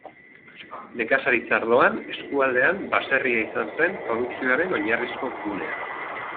Nekazaritza arloan, eskualdean, baserria izan zen produkzioaren oinarrizko gunea.